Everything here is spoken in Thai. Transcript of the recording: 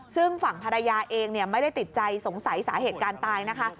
ซึ่งฝั่งภรรยาเองไม่ได้ติดใจสงสัยสาเหตุการณ์ตายนะคะ